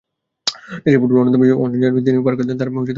দেশের ফুটবলের অন্যতম জায়ান্টেই তিনি পার করে দেন তাঁর পুরো ফুটবল ক্যারিয়ার।